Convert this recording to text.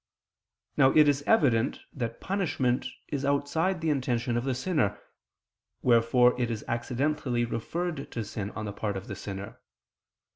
Now it is evident that punishment is outside the intention of the sinner, wherefore it is accidentally referred to sin on the part of the sinner.